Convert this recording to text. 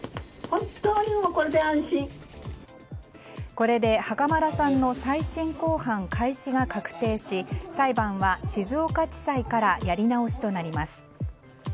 これで袴田さんの再審公判開始が確定し裁判は静岡地裁からやり直しとなります。